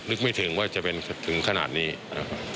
นึกไม่ถึงว่าจะเป็นถึงขนาดนี้นะครับ